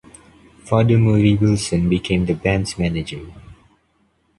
Father Murry Wilson became the band's manager.